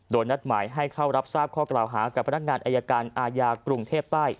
โดยนัดหมายให้เข้ารับทราบข้อกล่าวหากับพนักงานอายการอาญากรุงเทพใต้